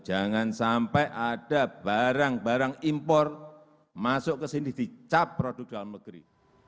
jangan sampai ada barang barang impor masuk ke sini dicap produk dalam negeri